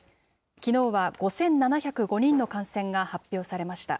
きのうは５７０５人の感染が発表されました。